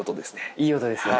いい音ですよね。